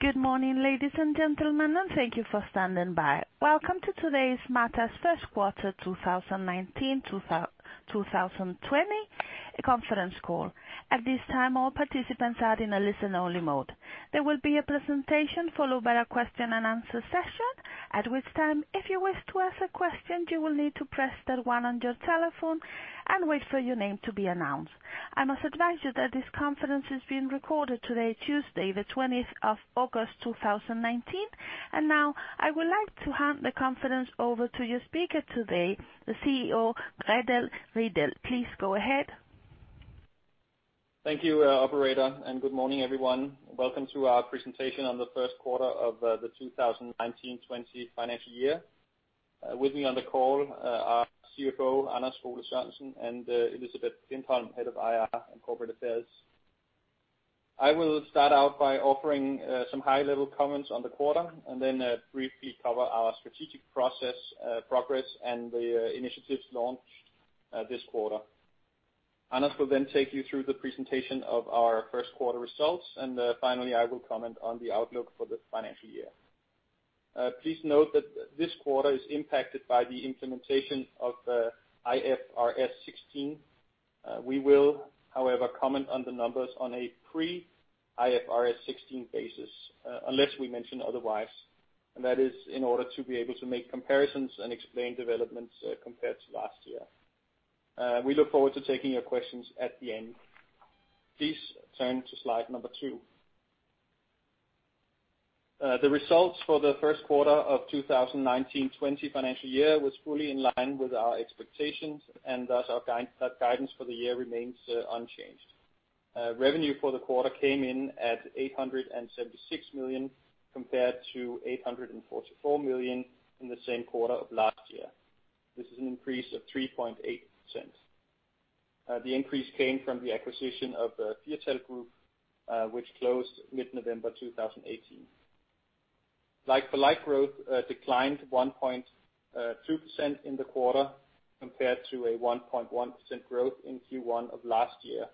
Good morning, ladies and gentlemen, and thank you for standing by. Welcome to today's Matas first quarter 2019 to 2020 conference call. At this time, all participants are in a listen-only mode. There will be a presentation followed by a question and answer session. At which time, if you wish to ask a question, you will need to press star one on your telephone and wait for your name to be announced. I must advise you that this conference is being recorded today, Tuesday, the 20th of August, 2019. Now, I would like to hand the conference over to your speaker today, the CEO, Gregers Wedell-Wedellsborg. Please go ahead. Thank you, operator, and good morning, everyone. Welcome to our presentation on the first quarter of the 2019-20 financial year. With me on the call are CFO, Anders Skole-Sørensen, and Elisabeth Toftmann Klintholm, Head of IR and Corporate Affairs. I will start out by offering some high-level comments on the quarter and then briefly cover our strategic progress and the initiatives launched this quarter. Anders will take you through the presentation of our first quarter results. Finally, I will comment on the outlook for this financial year. Please note that this quarter is impacted by the implementation of IFRS 16. We will, however, comment on the numbers on a pre-IFRS 16 basis, unless we mention otherwise, and that is in order to be able to make comparisons and explain developments compared to last year. We look forward to taking your questions at the end. Please turn to slide number two. The results for the first quarter of 2019-20 financial year was fully in line with our expectations, and thus our guidance for the year remains unchanged. Revenue for the quarter came in at 876 million compared to 844 million in the same quarter of last year. This is an increase of 3.8%. The increase came from the acquisition of the Firtal Group, which closed mid-November 2018. Like-for-like growth declined 1.2% in the quarter, compared to a 1.1% growth in Q1 of last year.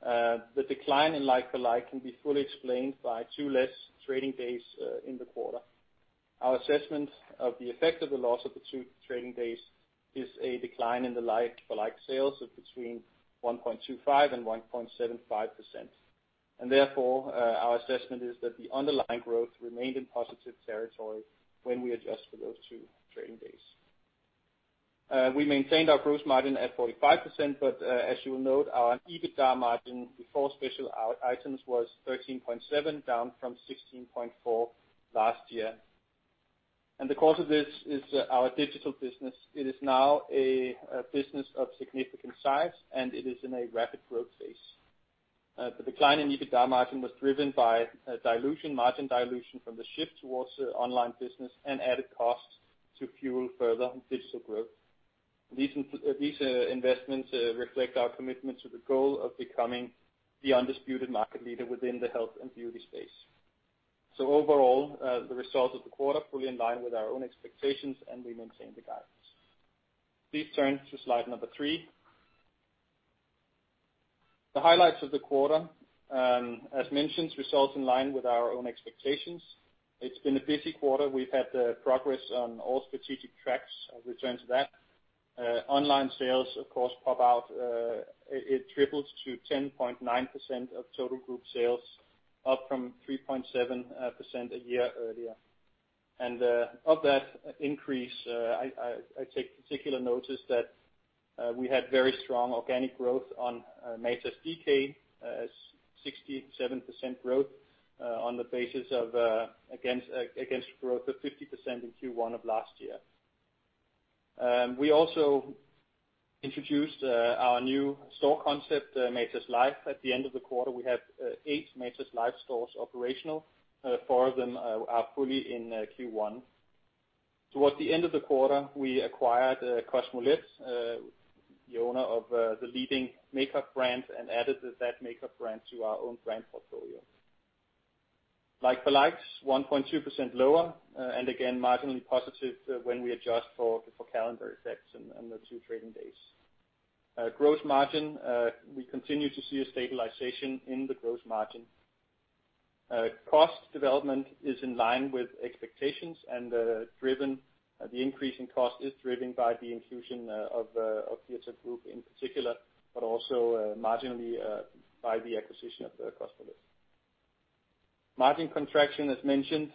The decline in like-for-like can be fully explained by two less trading days in the quarter. Our assessment of the effect of the loss of the two trading days is a decline in the like-for-like sales of between 1.25% and 1.75%. Therefore, our assessment is that the underlying growth remained in positive territory when we adjust for those two trading days. We maintained our gross margin at 45%, but as you will note, our EBITDA margin before special items was 13.7%, down from 16.4% last year. The cause of this is our digital business. It is now a business of significant size, and it is in a rapid growth phase. The decline in EBITDA margin was driven by margin dilution from the shift towards online business and added costs to fuel further digital growth. These investments reflect our commitment to the goal of becoming the undisputed market leader within the health and beauty space. Overall, the results of the quarter fully in line with our own expectations, and we maintain the guidance. Please turn to slide number three. The highlights of the quarter. As mentioned, results in line with our own expectations. It's been a busy quarter. We've had progress on all strategic tracks. I'll return to that. Online sales, of course, pop out. It triples to 10.9% of total group sales, up from 3.7% a year earlier. Of that increase, I take particular notice that we had very strong organic growth on matas.dk, 67% growth on the basis of against growth of 50% in Q1 of last year. We also introduced our new store concept, Matas Life, at the end of the quarter. We have eight Matas Life stores operational. Four of them are fully in Q1. Towards the end of the quarter, we acquired Kosmolet, the owner of the leading makeup brand, and added that makeup brand to our own brand portfolio. Like for likes, 1.2% lower. Again, marginally positive when we adjust for calendar effects and the two trading days. Gross margin, we continue to see a stabilization in the gross margin. Cost development is in line with expectations and the increase in cost is driven by the inclusion of Firtal Group in particular, but also marginally by the acquisition of Kosmolet. Margin contraction, as mentioned,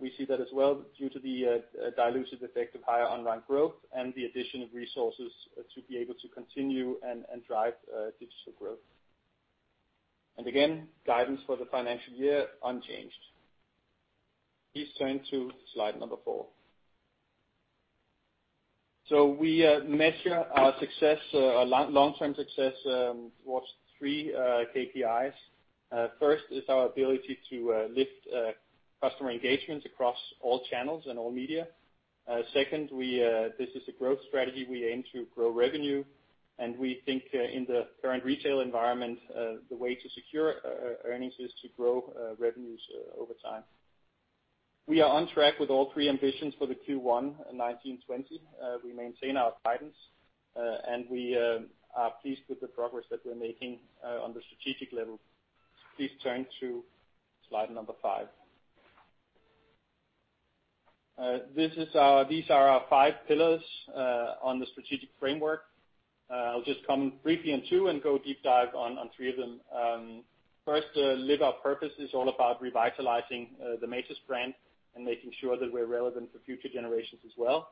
we see that as well due to the dilutive effect of higher online growth and the addition of resources to be able to continue and drive digital growth. Again, guidance for the financial year unchanged. Please turn to slide number four. We measure our long-term success towards three KPIs. First is our ability to lift customer engagements across all channels and all media. Second, this is a growth strategy. We aim to grow revenue, and we think in the current retail environment, the way to secure earnings is to grow revenues over time. We are on track with all three ambitions for the Q1 2019-2020. We maintain our guidance, and we are pleased with the progress that we're making on the strategic level. Please turn to slide number five. These are our five pillars on the strategic framework. I'll just comment briefly on two and go deep dive on three of them. First, Live Our Purpose is all about revitalizing the Matas brand and making sure that we're relevant for future generations as well.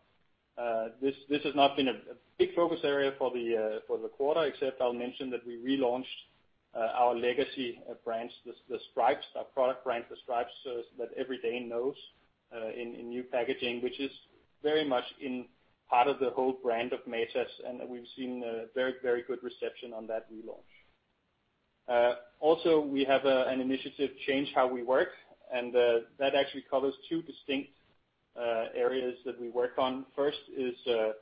This has not been a big focus area for the quarter, except I'll mention that we relaunched our legacy brands, the Stripes, our product brand, the Stripes that every Dane knows in new packaging, which is very much in part of the whole brand of Matas, and we've seen very good reception on that relaunch. We have an initiative, Change How We Work, and that actually covers two distinct areas that we work on. First is a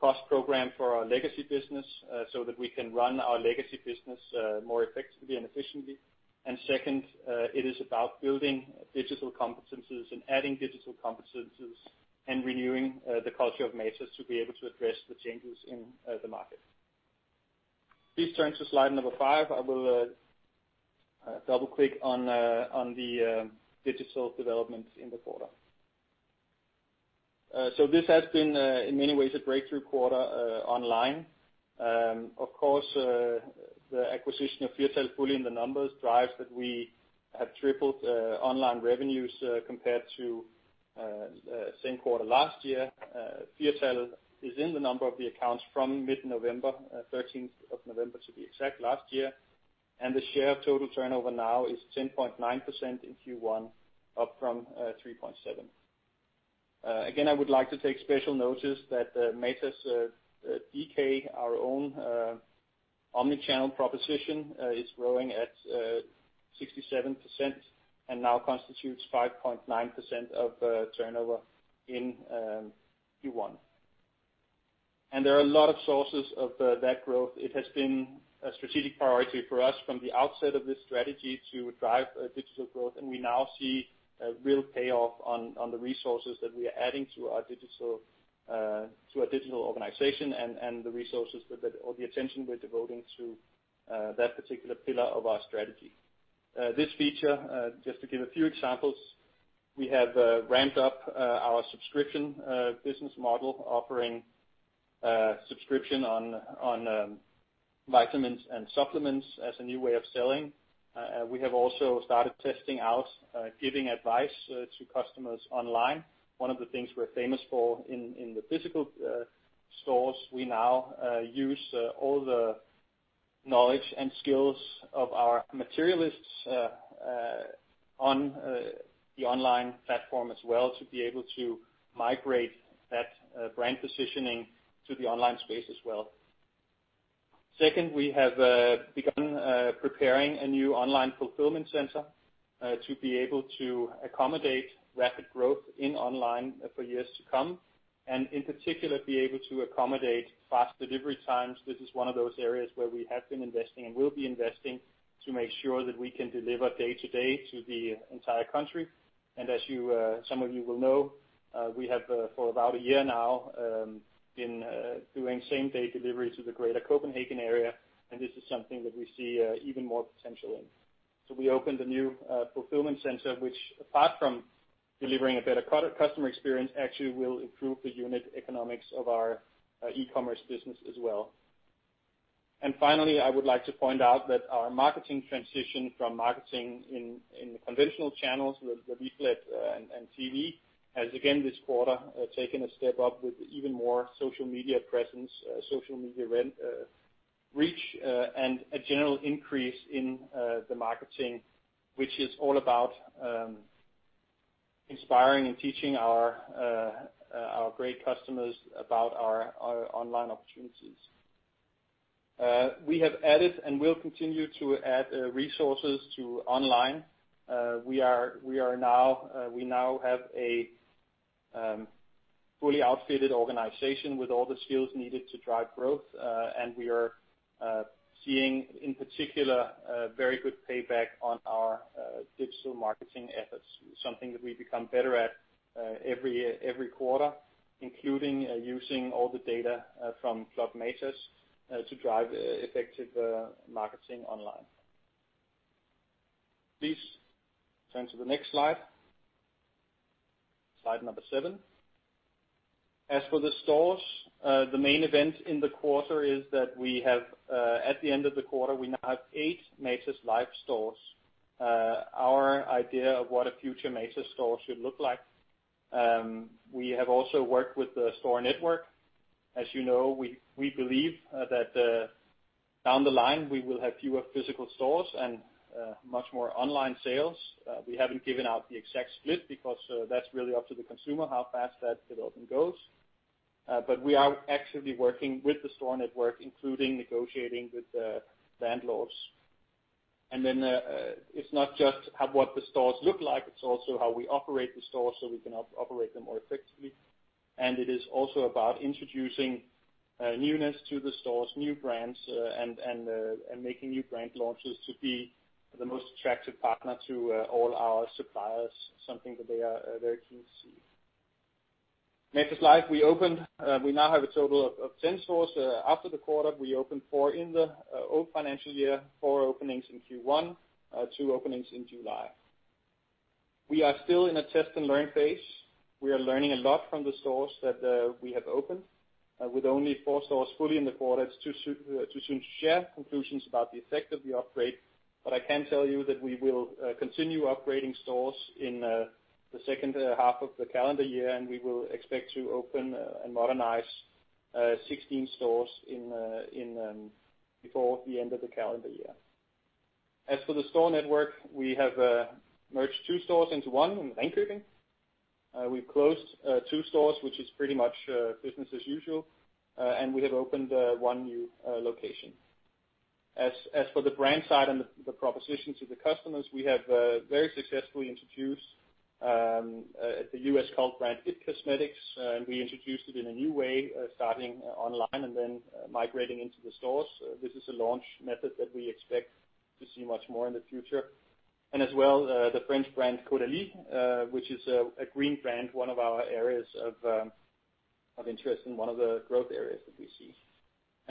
cost program for our legacy business so that we can run our legacy business more effectively and efficiently. Second, it is about building digital competencies and adding digital competencies and renewing the culture of Matas to be able to address the changes in the market. Please turn to slide number five. I will double-click on the digital developments in the quarter. This has been in many ways a breakthrough quarter online. Of course, the acquisition of Firtal fully in the numbers drives that we have tripled online revenues compared to same quarter last year. Firtal is in the number of the accounts from mid-November, 13th of November to be exact, last year, and the share of total turnover now is 10.9% in Q1, up from 3.7%. Again, I would like to take special notice that matas.dk, our own omnichannel proposition is growing at 67% and now constitutes 5.9% of turnover in Q1. There are a lot of sources of that growth. It has been a strategic priority for us from the outset of this strategy to drive digital growth, and we now see a real payoff on the resources that we are adding to our digital organization and the resources that, or the attention we're devoting to that particular pillar of our strategy. This feature, just to give a few examples, we have ramped up our subscription business model, offering subscription on vitamins and supplements as a new way of selling. We have also started testing out giving advice to customers online. One of the things we're famous for in the physical stores, we now use all the knowledge and skills of our materialists on the online platform as well to be able to migrate that brand positioning to the online space as well. Second, we have begun preparing a new online fulfillment center to be able to accommodate rapid growth in online for years to come, and in particular, be able to accommodate fast delivery times. This is one of those areas where we have been investing and will be investing to make sure that we can deliver day to day to the entire country. As some of you will know, we have for about a year now been doing same-day delivery to the greater Copenhagen area, and this is something that we see even more potential in. We opened a new fulfillment center, which apart from delivering a better customer experience, actually will improve the unit economics of our e-commerce business as well. Finally, I would like to point out that our marketing transition from marketing in the conventional channels, the leaflet and TV, has again this quarter taken a step up with even more social media presence, social media reach, and a general increase in the marketing, which is all about inspiring and teaching our great customers about our online opportunities. We have added and will continue to add resources to online. We now have a fully outfitted organization with all the skills needed to drive growth, and we are seeing, in particular, very good payback on our digital marketing efforts. Something that we become better at every quarter, including using all the data from Club Matas to drive effective marketing online. Please turn to the next slide. Slide number seven. As for the stores, the main event in the quarter is that we have at the end of the quarter, we now have eight Matas LIVE stores. Our idea of what a future Matas store should look like. We have also worked with the store network. As you know, we believe that down the line, we will have fewer physical stores and much more online sales. We haven't given out the exact split because that's really up to the consumer how fast that development goes. We are actively working with the store network, including negotiating with the landlords. It's not just what the stores look like, it's also how we operate the stores so we can operate them more effectively. It is also about introducing newness to the stores, new brands, and making new brand launches to be the most attractive partner to all our suppliers, something that they are very keen to see. Matas LIVE, we now have a total of 10 stores. After the quarter, we opened four in the old financial year, four openings in Q1, two openings in July. We are still in a test and learn phase. We are learning a lot from the stores that we have opened. With only four stores fully in the quarter, it's too soon to share conclusions about the effect of the upgrade. I can tell you that we will continue upgrading stores in the second half of the calendar year, and we will expect to open and modernize 16 stores before the end of the calendar year. As for the store network, we have merged two stores into one in Ringkøbing. We've closed two stores, which is pretty much business as usual. We have opened one new location. As for the brand side and the proposition to the customers, we have very successfully introduced the U.S. cult brand IT Cosmetics. We introduced it in a new way, starting online and then migrating into the stores. This is a launch method that we expect to see much more in the future. We also introduced the French brand Caudalie, which is a green brand, one of our areas of interest and one of the growth areas that we see.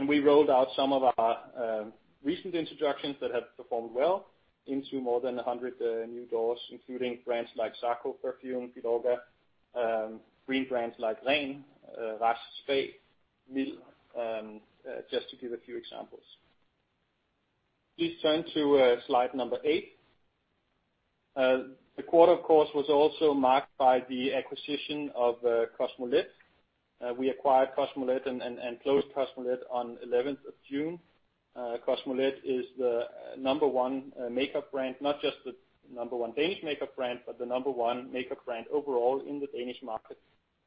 We rolled out some of our recent introductions that have performed well into more than 100 new doors, including brands like ZARKOPERFUME, Filorga, green brands like [Lain], Raz, [Spe], Miild, just to give a few examples. Please turn to slide number eight. The quarter, of course, was also marked by the acquisition of Kosmolet. We acquired Kosmolet and closed Kosmolet on 11th of June. Kosmolet is the number one makeup brand, not just the number one Danish makeup brand, but the number one makeup brand overall in the Danish market.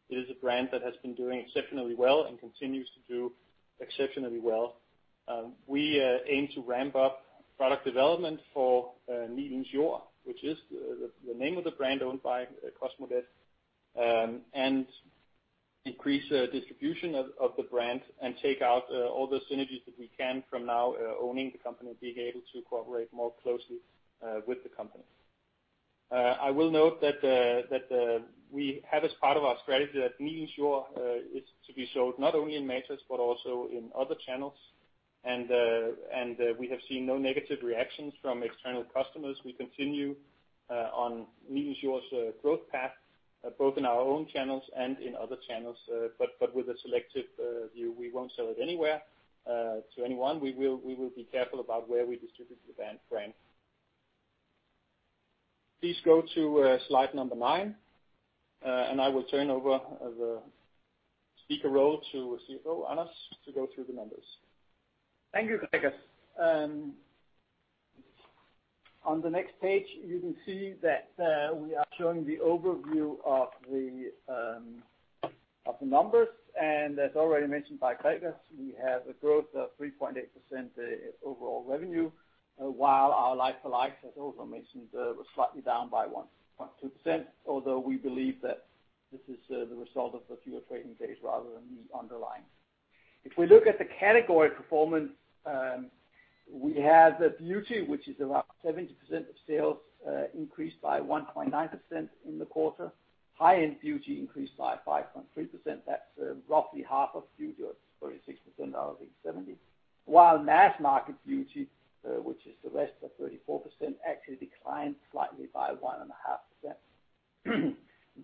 It is a brand that has been doing exceptionally well and continues to do exceptionally well. We aim to ramp up product development for Nilens Jord, which is the name of the brand owned by Kosmolet, and increase distribution of the brand and take out all the synergies that we can from now owning the company, being able to cooperate more closely with the company. I will note that we have as part of our strategy that Nilens Jord is to be sold not only in Matas but also in other channels. We have seen no negative reactions from external customers. We continue on Nilens Jord's growth path, both in our own channels and in other channels. With a selective view, we won't sell it anywhere to anyone. We will be careful about where we distribute the brand. Please go to slide number nine, and I will turn over the speaker role to CFO Anders to go through the numbers. Thank you, Gregers. On the next page, you can see that we are showing the overview of the numbers. As already mentioned by Gregers, we have a growth of 3.8% overall revenue, while our like for like, as also mentioned, was slightly down by 1.2%, although we believe that this is the result of the fewer trading days rather than the underlying. If we look at the category performance, we have beauty, which is around 70% of sales, increased by 1.9% in the quarter. High-end beauty increased by 5.3%. That's roughly half of beauty, or 36% out of 70. While mass market beauty, which is the rest of 34%, actually declined slightly by 1.5%.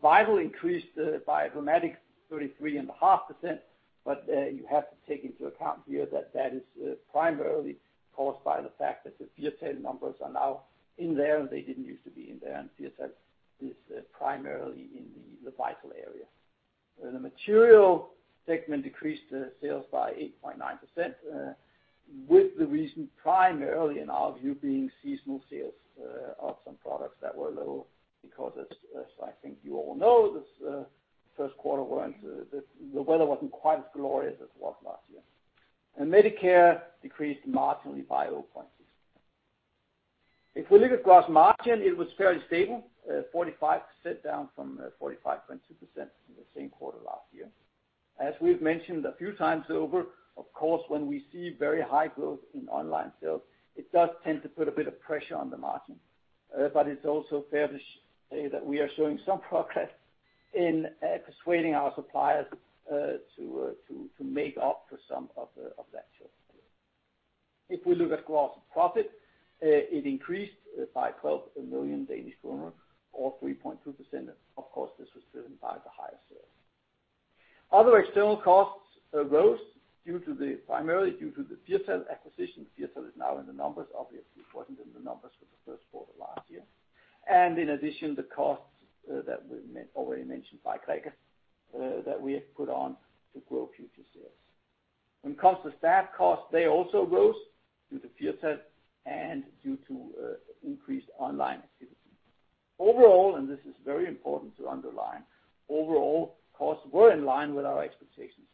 Firtal increased by a dramatic 33.5%, you have to take into account here that is primarily caused by the fact that the Firtal numbers are now in there, they didn't used to be in there, Firtal is primarily in the vital area. The Matas segment decreased sales by 8.9%, with the reason primarily, in our view, being seasonal sales of some products that were low because, as I think you all know, this first quarter, the weather wasn't quite as glorious as it was last year. Matas Life decreased marginally by 0.6%. If we look at gross margin, it was fairly stable, 45%, down from 45.2% in the same quarter last year. As we've mentioned a few times over, of course, when we see very high growth in online sales, it does tend to put a bit of pressure on the margin. It's also fair to say that we are showing some progress in persuading our suppliers to make up for some of that short term. If we look at gross profit, it increased by 12 million or 3.2%. Of course, this was driven by the higher sales. Other external costs rose primarily due to the Firtal acquisition. Firtal is now in the numbers, obviously it wasn't in the numbers for the first quarter last year. In addition, the costs that were already mentioned by Gregers that we have put on to grow future sales. When it comes to staff costs, they also rose due to Firtal and due to increased online activity. Overall, and this is very important to underline, overall costs were in line with our expectations,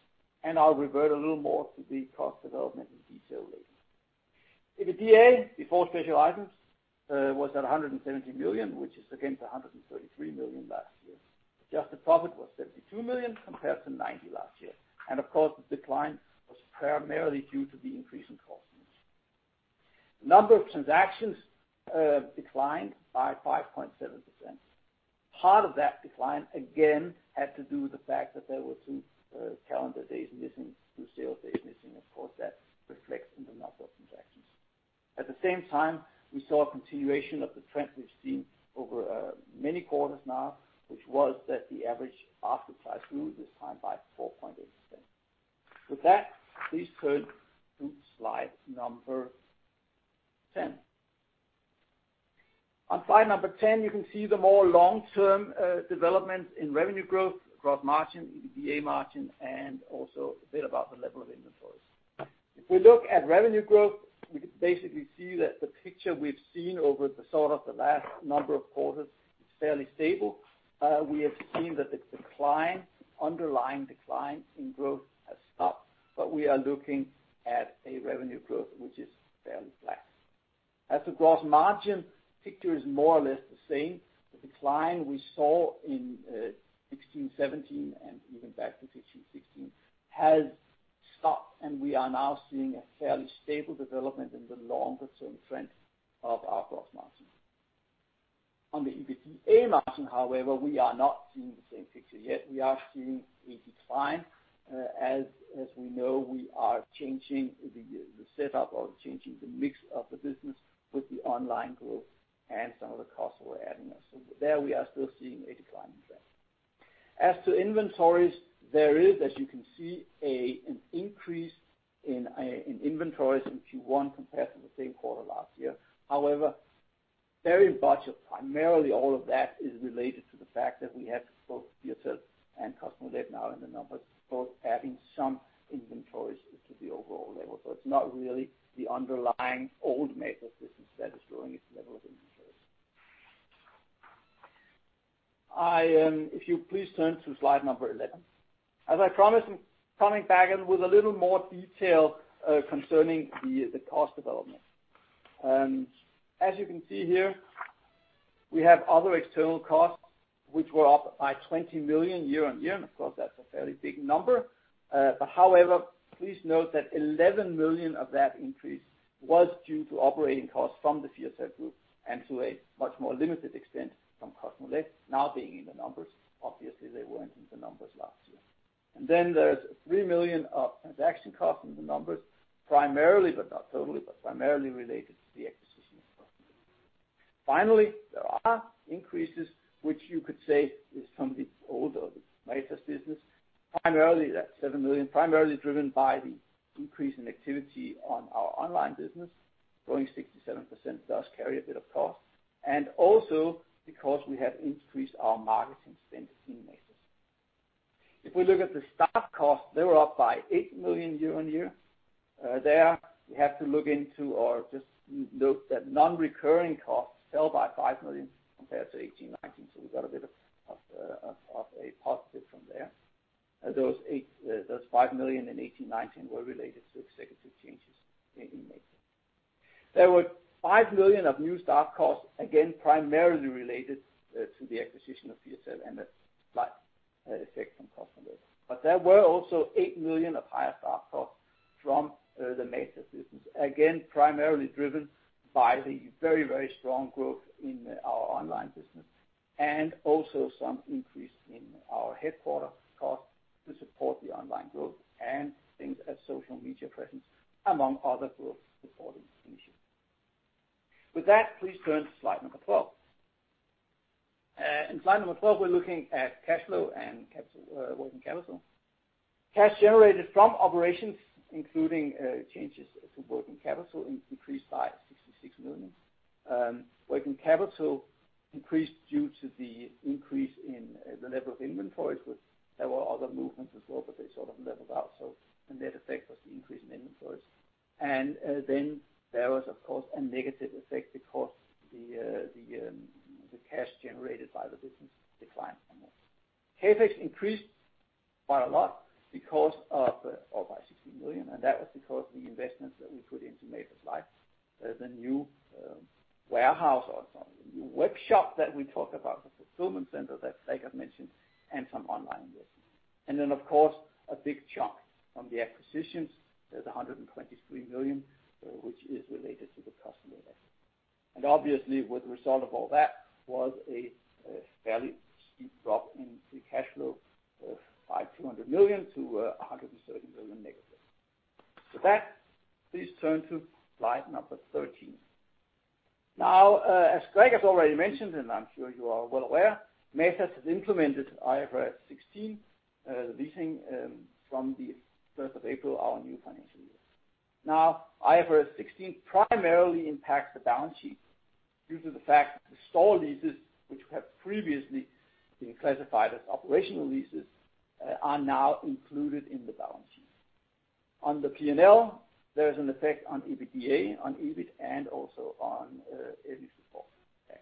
and I'll revert a little more to the cost development in detail later. EBITDA before special items was at 170 million, which is against 133 million last year. Adjusted profit was 72 million compared to 90 million last year. Of course, the decline was primarily due to the increase in costs. Number of transactions declined by 5.7%. Part of that decline, again, had to do with the fact that there were two calendar days missing, two sales days missing. Of course, that reflects in the number of transactions. At the same time, we saw a continuation of the trend we've seen over many quarters now, which was that the average order size grew this time by 4.8%. With that, please turn to slide number 10. On slide number 10, you can see the more long-term developments in revenue growth, gross margin, EBITDA margin, and also a bit about the level of inventories. If we look at revenue growth, we can basically see that the picture we've seen over the sort of the last number of quarters is fairly stable. We have seen that the decline, underlying decline in growth has stopped, but we are looking at a revenue growth which is fairly flat. As the gross margin picture is more or less the same, the decline we saw in 16/17 and even back to 15/16 has stopped, and we are now seeing a fairly stable development in the longer-term trend of our gross margin. On the EBITDA margin, however, we are not seeing the same picture yet. We are seeing a decline. As we know, we are changing the setup or changing the mix of the business with the online growth and some of the costs we're adding there. There we are still seeing a decline in spend. As to inventories, there is, as you can see, an increase in inventories in Q1 compared to the same quarter last year. However, very much primarily all of that is related to the fact that we have both Firtal and Kosmolet now in the numbers, both adding some inventories to the overall level. It's not really the underlying old Matas business that is growing its level of inventories. If you please turn to slide number 11. As I promised, coming back and with a little more detail concerning the cost development. As you can see here, we have other external costs which were up by 20 million year-on-year. Of course, that's a fairly big number. However, please note that 11 million of that increase was due to operating costs from the Firtal Group and to a much more limited extent from Kosmolet now being in the numbers. Obviously, they weren't in the numbers last year. Then there's 3 million of transaction costs in the numbers, primarily, but not totally, but primarily related to the acquisition of Kosmolet. Finally, there are increases, which you could say is from the older Matas business. Primarily, that's 7 million, primarily driven by the increase in activity on our online business. Growing 67% does carry a bit of cost. Also because we have increased our marketing spend in Matas. If we look at the staff costs, they were up by 8 million year-on-year. There you have to look into or just note that non-recurring costs fell by 5 million compared to 2018/2019, so we got a bit of a positive from there. Those 5 million in 2018/2019 were related to executive changes in Matas. There were 5 million of new staff costs, again, primarily related to the acquisition of Firtal and a slight effect from Kosmolet. There were also 8 million of higher staff costs from the Matas business. Again, primarily driven by the very strong growth in our online business and also some increase in our headquarters costs to support the online growth and things as social media presence, among other growth before the initiative. With that, please turn to slide number 12. In slide number 12, we're looking at cash flow and working capital. Cash generated from operations, including changes to working capital, increased by 66 million. Working capital increased due to the increase in the level of inventories. There were other movements as well, but they sort of leveled out, so the net effect was the increase in inventories. Then there was, of course, a negative effect because the cash generated by the business declined. CapEx increased by a lot because of or by 16 million, and that was because the investments that we put into Matas Life. There's a new warehouse or sorry, a new workshop that we talked about, the fulfillment center that Gregers had mentioned, and some online investments. Then, of course, a big chunk from the acquisitions. There's 123 million, which is related to the Kosmolet. Obviously, with result of all that was a fairly steep drop in free cash flow by 200 million to 130 million negative. With that, please turn to slide number 13. As Gregers has already mentioned, and I'm sure you are well aware, Matas has implemented IFRS 16, the leasing, from the 1st of April, our new financial year. IFRS 16 primarily impacts the balance sheet due to the fact that the store leases, which have previously been classified as operational leases, are now included in the balance sheet. On the P&L, there is an effect on EBITDA, on EBIT, and also on earnings before tax.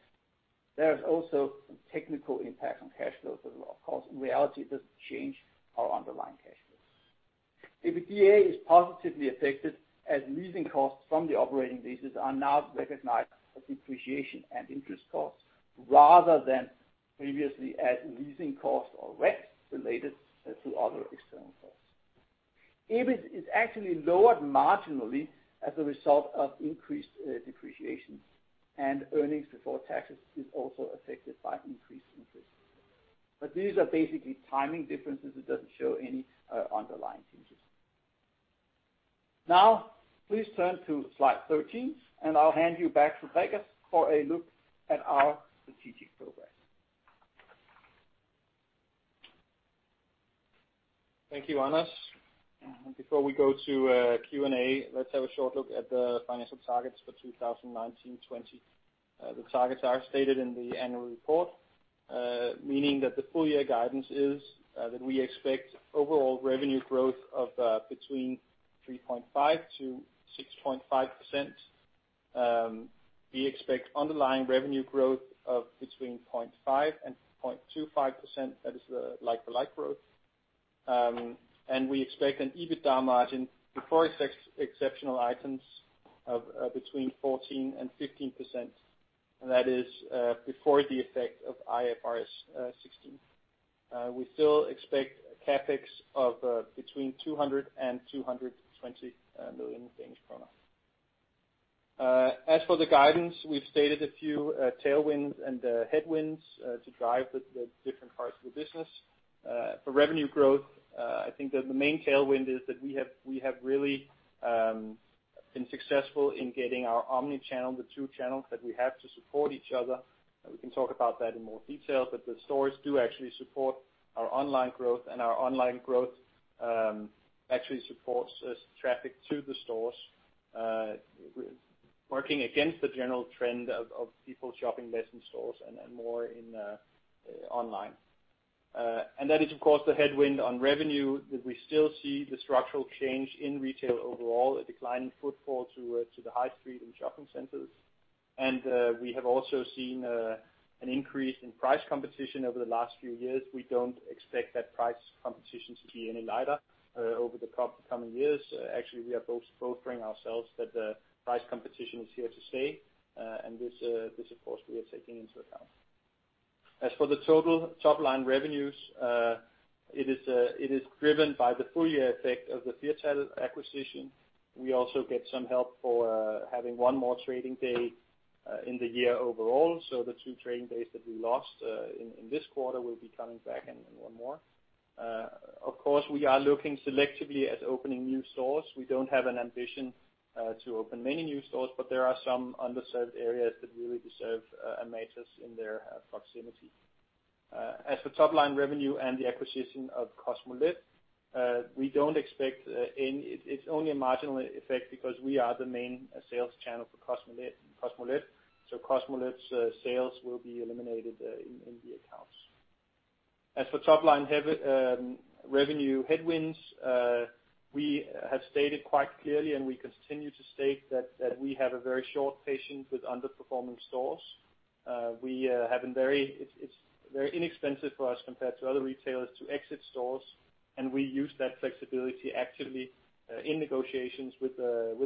There is also some technical impact on cash flow as well. Of course, in reality, it doesn't change our underlying cash flows. EBITDA is positively affected as leasing costs from the operating leases are now recognized as depreciation and interest costs, rather than previously as leasing costs or RECs related to other external costs. EBIT is actually lowered marginally as a result of increased depreciation, earnings before taxes is also affected by increased interest. These are basically timing differences. It doesn't show any underlying changes. Please turn to slide 13, and I'll hand you back to Gregers for a look at our strategic progress. Thank you, Anders. Before we go to Q&A, let's have a short look at the financial targets for 2019/20. The targets are stated in the annual report, meaning that the full year guidance is that we expect overall revenue growth of between 3.5%-6.5%. We expect underlying revenue growth of between 0.5%-2.5%. That is the like-for-like growth. We expect an EBITDA margin before exceptional items of between 14%-15%, and that is before the effect of IFRS 16. We still expect CapEx of between 200 million-220 million Danish krone. As for the guidance, we've stated a few tailwinds and headwinds to drive the different parts of the business. For revenue growth, I think that the main tailwind is that we have really been successful in getting our omni-channel, the two channels that we have to support each other. We can talk about that in more detail. The stores do actually support our online growth, and our online growth actually supports traffic to the stores, working against the general trend of people shopping less in stores and more online. That is, of course, the headwind on revenue, that we still see the structural change in retail overall, a decline in footfall to the high street and shopping centers. We have also seen an increase in price competition over the last few years. We don't expect that price competition to be any lighter over the coming years. Actually, we are both bringing ourselves that the price competition is here to stay, and this, of course, we are taking into account. As for the total top-line revenues, it is driven by the full-year effect of the Firtal acquisition. We also get some help for having one more trading day in the year overall. The two trading days that we lost in this quarter will be coming back in one more. Of course, we are looking selectively at opening new stores. We don't have an ambition to open many new stores, but there are some underserved areas that really deserve a Matas in their proximity. As for top-line revenue and the acquisition of Kosmolet, it's only a marginal effect because we are the main sales channel for Kosmolet, so Kosmolet's sales will be eliminated in the accounts. As for top-line revenue headwinds, we have stated quite clearly, and we continue to state that we have a very short patience with underperforming stores. It's very inexpensive for us compared to other retailers to exit stores, and we use that flexibility actively in negotiations with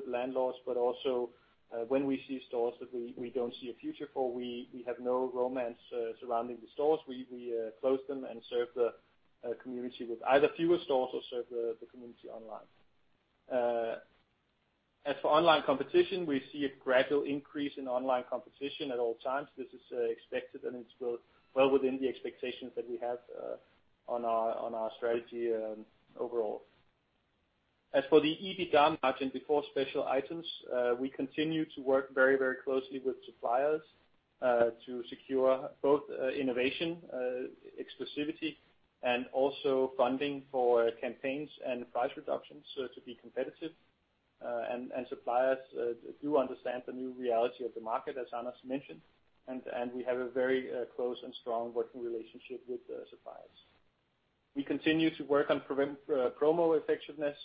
landlords, but also when we see stores that we don't see a future for, we have no romance surrounding the stores. We close them and serve the community with either fewer stores or serve the community online. As for online competition, we see a gradual increase in online competition at all times. This is expected, and it's well within the expectations that we have on our strategy overall. As for the EBITDA margin before special items, we continue to work very closely with suppliers to secure both innovation, exclusivity, and also funding for campaigns and price reductions to be competitive. Suppliers do understand the new reality of the market, as Anders mentioned, and we have a very close and strong working relationship with the suppliers. We continue to work on promo effectiveness,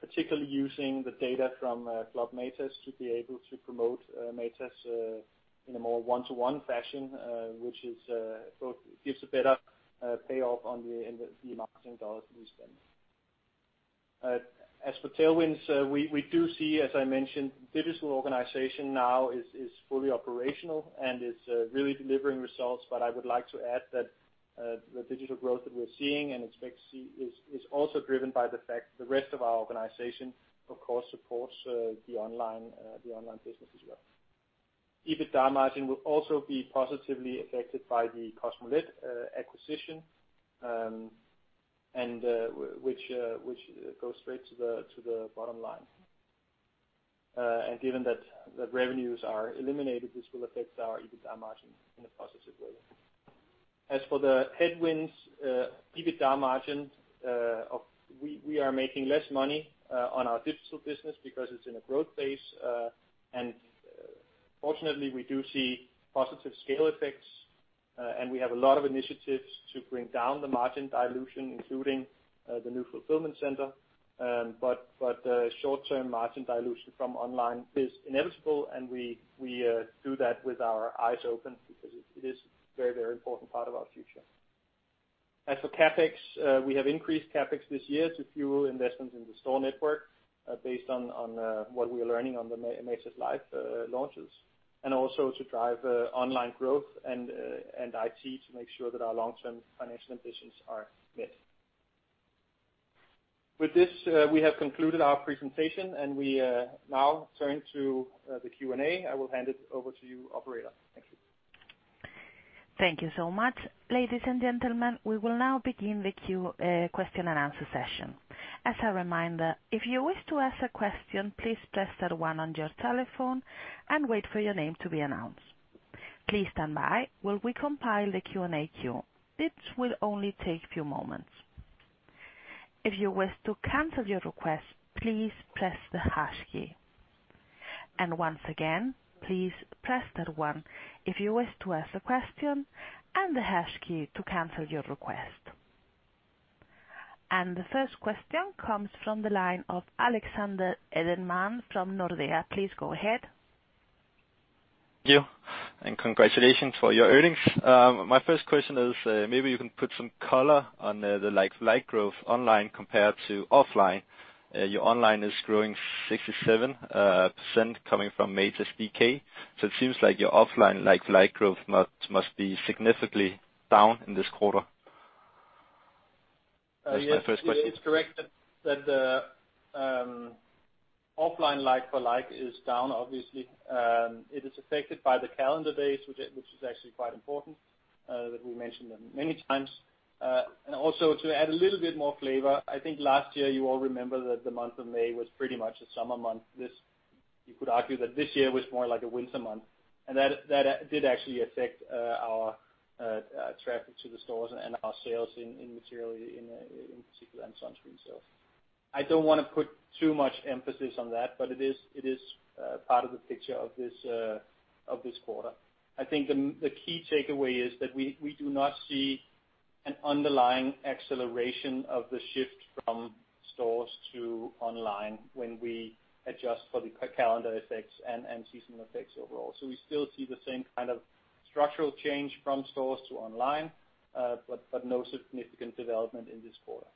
particularly using the data from Club Matas to be able to promote Matas in a more one-to-one fashion, which gives a better payoff on the marketing dollars we spend. As for tailwinds, we do see, as I mentioned, digital organization now is fully operational and is really delivering results. I would like to add that the digital growth that we're seeing and expect to see is also driven by the fact the rest of our organization, of course, supports the online business as well. EBITDA margin will also be positively affected by the Kosmolet acquisition, which goes straight to the bottom line. Given that the revenues are eliminated, this will affect our EBITDA margin in a positive way. As for the headwinds, EBITDA margin, we are making less money on our digital business because it's in a growth phase. Fortunately, we do see positive scale effects. We have a lot of initiatives to bring down the margin dilution, including the new fulfillment center. The short-term margin dilution from online is inevitable, and we do that with our eyes open because it is a very important part of our future. As for CapEx, we have increased CapEx this year to fuel investments in the store network, based on what we are learning on the Matas Life launches, and also to drive online growth and IT to make sure that our long-term financial ambitions are met. With this, we have concluded our presentation, and we now turn to the Q&A. I will hand it over to you, operator. Thank you. Thank you so much. Ladies and gentlemen, we will now begin the question and answer session. As a reminder, if you wish to ask a question, please press star one on your telephone and wait for your name to be announced. Please stand by while we compile the Q&A queue. This will only take a few moments. If you wish to cancel your request, please press the hash key. Once again, please press star one if you wish to ask a question and the hash key to cancel your request. The first question comes from the line of Alexander Edelman from Nordea. Please go ahead. Thank you, and congratulations for your earnings. My first question is, maybe you can put some color on the like-for-like growth online compared to offline? Your online is growing 67% coming from matas.dk. It seems like your offline like-for-like growth must be significantly down in this quarter. That's my first question. Yes, it's correct that the offline like-for-like is down, obviously. It is affected by the calendar days, which is actually quite important, that we mentioned many times. Also to add a little bit more flavor, I think last year you all remember that the month of May was pretty much a summer month. You could argue that this year was more like a winter month, and that did actually affect our traffic to the stores and our sales in Matas in particular and sunscreen. I don't want to put too much emphasis on that, but it is part of the picture of this quarter. I think the key takeaway is that we do not see an underlying acceleration of the shift from stores to online when we adjust for the calendar effects and seasonal effects overall. We still see the same kind of structural change from stores to online, but no significant development in this quarter.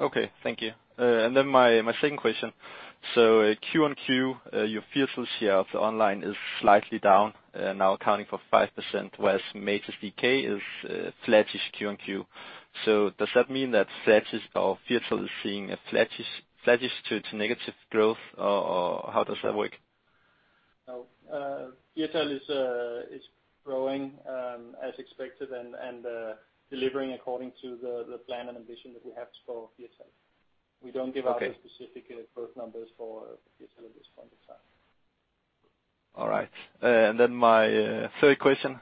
Okay. Thank you. My second question. Q on Q, your Firtal share of online is slightly down, now accounting for 5%, whereas matas.dk is flattish Q on Q. Does that mean that flattish or Firtal is seeing a flattish to negative growth, or how does that work? No. Firtal is growing as expected and delivering according to the plan and ambition that we have for Firtal. Okay. We don't give out the specific growth numbers for Firtal at this point in time. All right. My third question,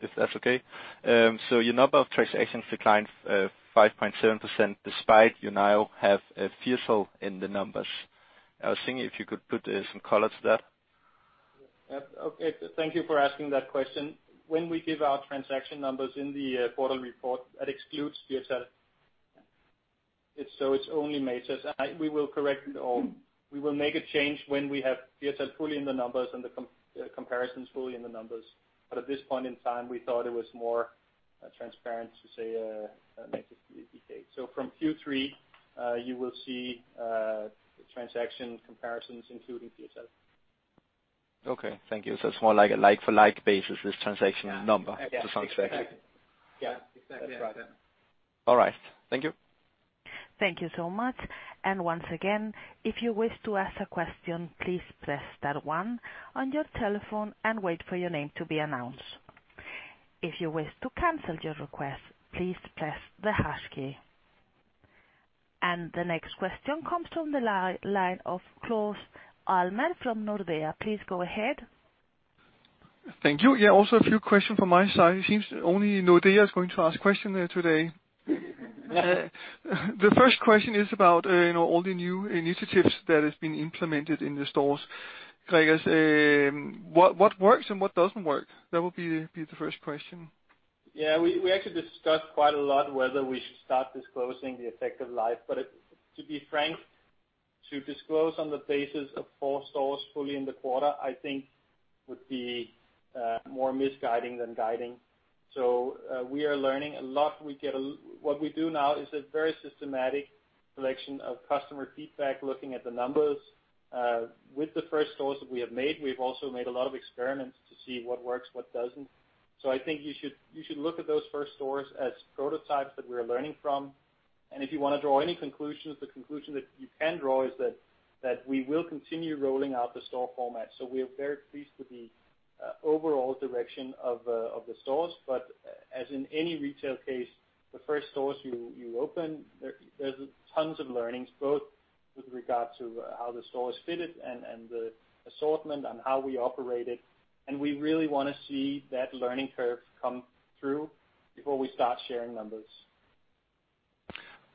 if that's okay. Your number of transactions declined 5.7% despite you now have Firtal in the numbers. I was thinking if you could put some color to that. Okay. Thank you for asking that question. When we give out transaction numbers in the quarter report, that excludes Firtal. It's only Matas. We will make a change when we have Firtal fully in the numbers and the comparisons fully in the numbers. At this point in time, we thought it was more transparent to say Matas DK. From Q3, you will see transaction comparisons including Firtal. Okay. Thank you. It's more like a like-for-like basis, this transaction number to some extent. Yeah, exactly. That's right. All right. Thank you. Thank you so much. Once again, if you wish to ask a question, please press star one on your telephone and wait for your name to be announced. If you wish to cancel your request, please press the hash key. The next question comes from the line of Claus Almer from Nordea. Please go ahead. Thank you. Yeah, also a few questions from my side. It seems only Nordea is going to ask questions today. The first question is about all the new initiatives that have been implemented in the stores. Gregers, what works and what doesn't work? That would be the first question. We actually discussed quite a lot whether we should start disclosing the effect of Life. To be frank, to disclose on the basis of four stores fully in the quarter, I think would be more misguiding than guiding. We are learning a lot. What we do now is a very systematic collection of customer feedback, looking at the numbers. With the first stores that we have made, we've also made a lot of experiments to see what works, what doesn't. I think you should look at those first stores as prototypes that we're learning from. If you want to draw any conclusions, the conclusion that you can draw is that we will continue rolling out the store format. We are very pleased with the overall direction of the stores. As in any retail case, the first stores you open, there's tons of learnings, both with regard to how the store is fitted and the assortment and how we operate it, and we really want to see that learning curve come through before we start sharing numbers.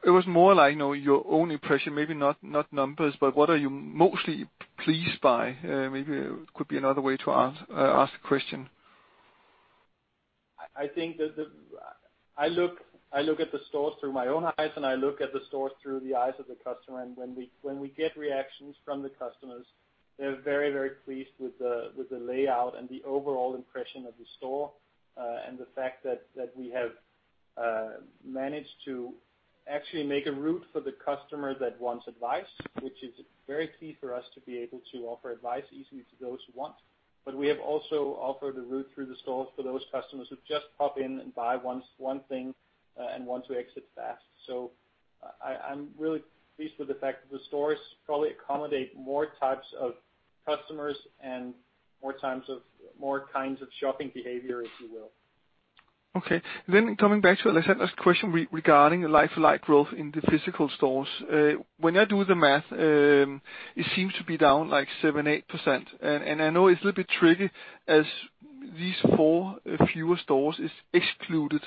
It was more like your own impression, maybe not numbers, but what are you mostly pleased by? Maybe could be another way to ask the question. I look at the stores through my own eyes, and I look at the stores through the eyes of the customer. When we get reactions from the customers, they're very pleased with the layout and the overall impression of the store. The fact that we have managed to actually make a route for the customer that wants advice, which is very key for us to be able to offer advice easily to those who want. We have also offered a route through the stores for those customers who just pop in and buy one thing, and want to exit fast. I'm really pleased with the fact that the stores probably accommodate more types of customers and more kinds of shopping behavior, if you will. Okay. Coming back to our last question regarding the like-for-like growth in the physical stores. When I do the math, it seems to be down like 7%, 8%. I know it's a little bit tricky as these four fewer stores is excluded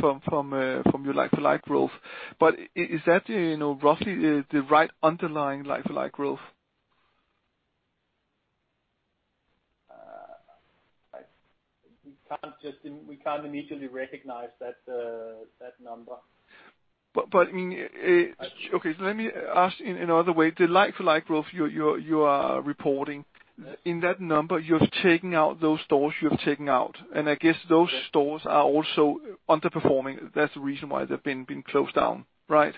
from your like-for-like growth. Is that roughly the right underlying like-for-like growth? We can't immediately recognize that number. Okay. Let me ask in another way. The like-for-like growth you are reporting, in that number, you're taking out those stores you have taken out, and I guess those stores are also underperforming. That's the reason why they've been closed down, right?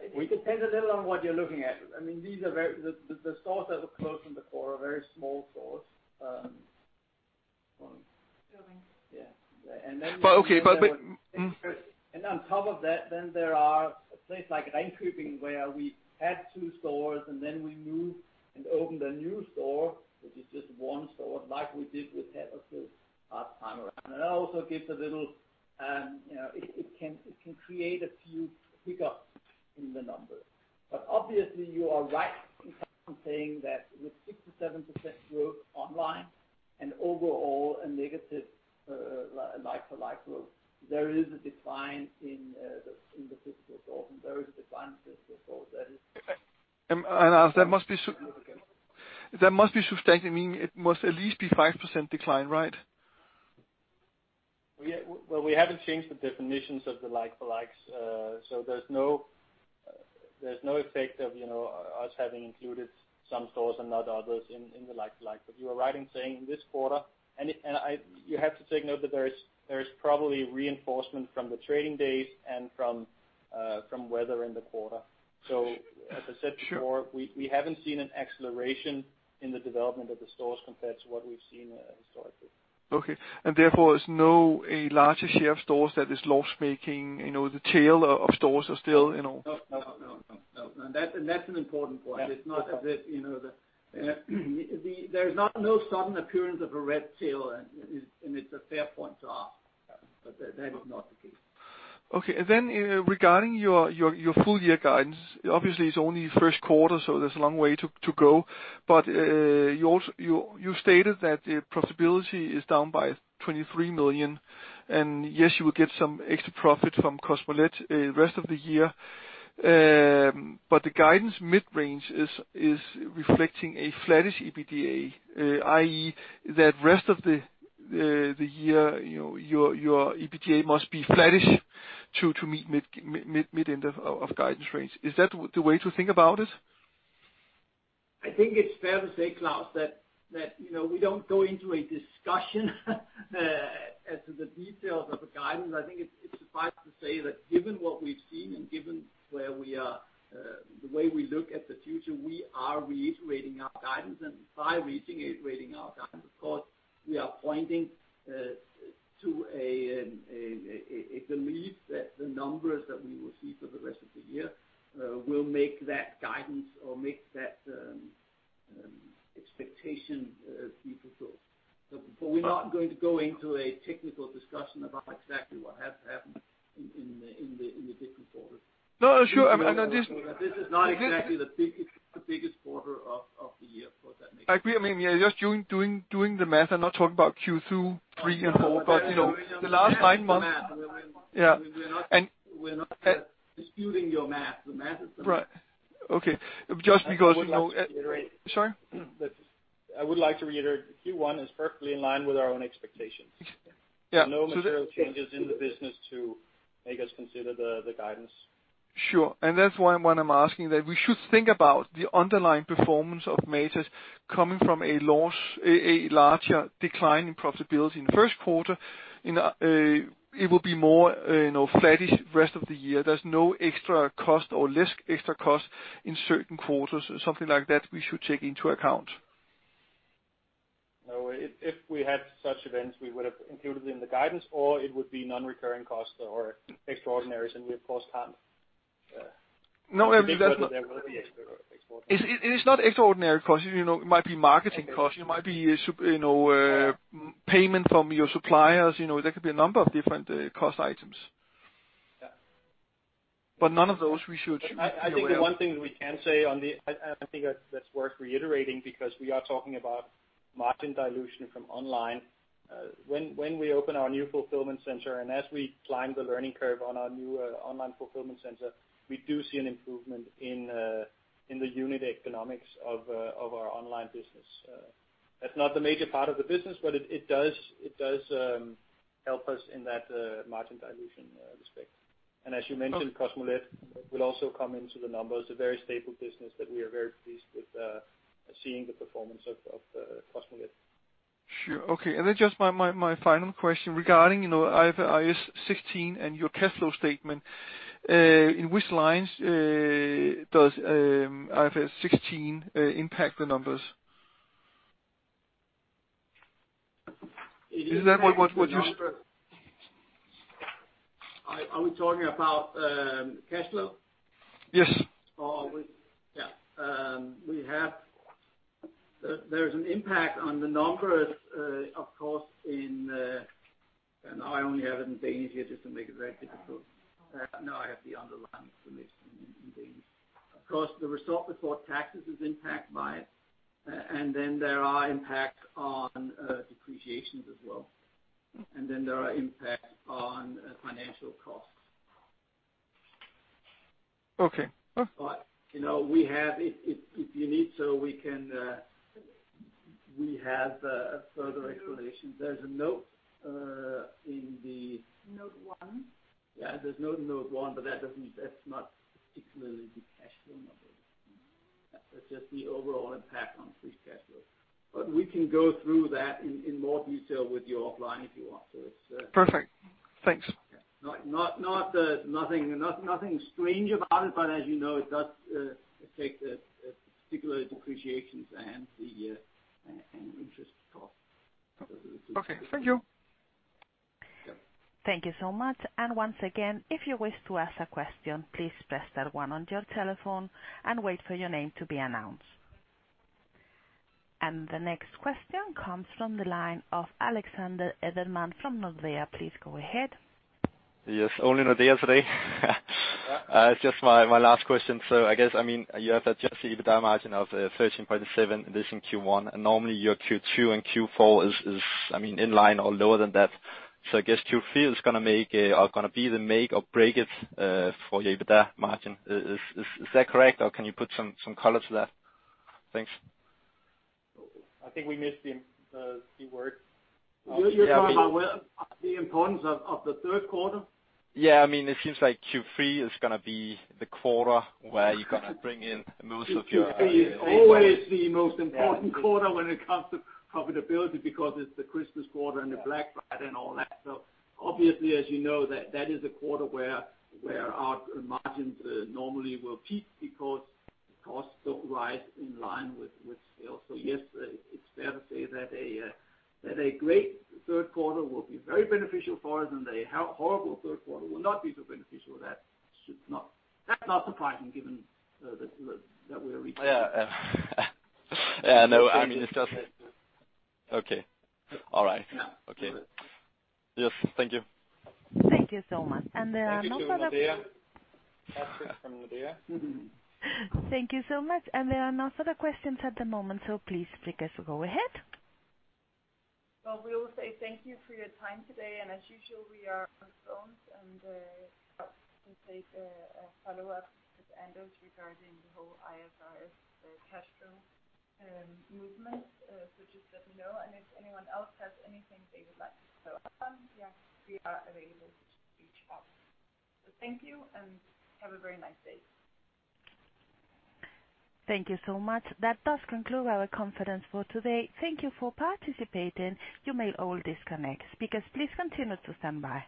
It depends a little on what you're looking at. The stores that were closed in the quarter are very small stores. Small. Yeah. Okay. On top of that, there are places like Ringkøbing, where we had two stores, we moved and opened a new store, which is just one store, like we did with Hägersten last time around. That also can create a few hiccups in the numbers. Obviously you are right in saying that with 67% growth online and overall a negative like-for-like growth, there is a decline in the physical stores. There is a decline in physical stores. That must be substantial, meaning it must at least be 5% decline, right? We haven't changed the definitions of the like for likes. There's no effect of us having included some stores and not others in the like for like. You are right in saying this quarter, and you have to take note that there is probably reinforcement from the trading days and from weather in the quarter. As I said before, we haven't seen an acceleration in the development of the stores compared to what we've seen historically. Okay. Therefore, there's no a larger share of stores that is loss-making. No. That's an important point. There's no sudden appearance of a red tail, and it's a fair point to ask. That is not the case. Okay. Regarding your full year guidance, obviously it's only first quarter, so there's a long way to go. You stated that the profitability is down by 23 million, and yes, you will get some extra profit from Kosmolet rest of the year. The guidance mid-range is reflecting a flattish EBITDA, i.e., that rest of the year, your EBITDA must be flattish to meet mid-end of guidance range. Is that the way to think about it? I think it's fair to say, Claus, that we don't go into a discussion as to the details of the guidance. I think it suffice to say that given what we've seen and given the way we look at the future, we are reiterating our guidance. By reiterating our guidance, of course, we are pointing to a belief that the numbers that we will see for the rest of the year will make that guidance or make that expectation be fulfilled. We're not going to go into a technical discussion about exactly what has to happen in the different quarters. No, sure. This is not exactly the biggest quarter of the year. I agree. Just doing the math, I'm not talking about Q2, three, and four, but the last nine months. We're not disputing your math. The math is- Right. Okay. I would like to reiterate. Sorry? I would like to reiterate, Q1 is perfectly in line with our own expectations. Yeah. No material changes in the business to make us consider the guidance. Sure. That's why I'm asking that we should think about the underlying performance of Matas coming from a larger decline in profitability in the first quarter, it will be more flattish rest of the year. There's no extra cost or less extra cost in certain quarters, something like that we should take into account. No. If we had such events, we would have included them in the guidance or it would be non-recurring costs or extraordinaries, we of course can't. No. I think that there will be extraordinary. It is not extraordinary costs. It might be marketing costs, it might be payment from your suppliers. There could be a number of different cost items. Yeah. None of those we should be aware of? I think the one thing that we can say, and I think that's worth reiterating because we are talking about margin dilution from online. When we open our new fulfillment center and as we climb the learning curve on our new online fulfillment center, we do see an improvement in the unit economics of our online business. That's not the major part of the business, but it does help us in that margin dilution respect. As you mentioned, Kosmolet will also come into the numbers. A very stable business that we are very pleased with seeing the performance of Kosmolet. Sure. Okay. Just my final question regarding IFRS 16 and your cash flow statement. In which lines does IFRS 16 impact the numbers? Are we talking about cash flow? Yes. There's an impact on the numbers, of course. I only have it in Danish here, just to make it very difficult. No, I have the underlying information in Danish. Of course, the result before taxes is impacted by it. Then there are impacts on depreciations as well. Then there are impacts on financial costs. Okay. If you need, we have a further explanation. There's a note. Note one. Yeah, there's a note in note one, that's not particularly the cash flow number. That's just the overall impact on free cash flow. We can go through that in more detail with you offline if you want. Perfect. Thanks. Nothing strange about it, but as you know, it does take particular depreciations and the interest cost. Okay. Thank you. Thank you so much. Once again, if you wish to ask a question, please press star 1 on your telephone and wait for your name to be announced. The next question comes from the line of Alexander Edelman from Nordea. Please go ahead. Yes. Only Nordea today. Just my last question. I guess, you have that just EBITDA margin of 13.7 in this Q1, and normally your Q2 and Q4 is in line or lower than that. I guess Q3 is going to be the make or break it for your EBITDA margin. Is that correct or can you put some color to that? Thanks. I think we missed the key words. You're talking about the importance of the third quarter? Yeah. It seems like Q3 is going to be the quarter where you're going to bring in most of your- Q3 is always the most important quarter when it comes to profitability because it's the Christmas quarter and the Black Friday and all that. Obviously, as you know, that is a quarter where our margins normally will peak because costs don't rise in line with sales. Yes, it's fair to say that a great third quarter will be very beneficial for us and a horrible third quarter will not be so beneficial. That's not surprising given that we are retail. Yeah. No, it's just Okay. All right. Okay. Yes. Thank you. Thank you so much. Thank you. Nordea. Thank you so much. There are no further questions at the moment, so please speakers go ahead. Well, we will say thank you for your time today. As usual, we are on phones and can take a follow-up with Anders regarding the whole IFRS cash flow movement. Just let me know. If anyone else has anything they would like to follow up on, we are available to reach out. Thank you and have a very nice day. Thank you so much. That does conclude our conference for today. Thank you for participating. You may all disconnect. Speakers, please continue to stand by.